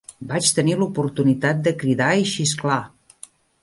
Vaig tenir l'oportunitat de cridar i xisclar.